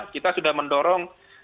kita sudah mendorong